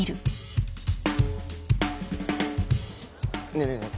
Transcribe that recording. ねえねえねえ